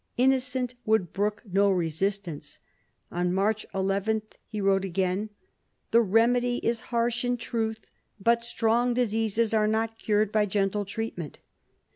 Innocent would brook no resist ance. On March 11 he wrote again: "The remedy is harsh in truth, but strong diseases are not cured by gentle treatment."